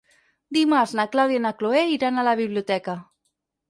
Dimarts na Clàudia i na Cloè iran a la biblioteca.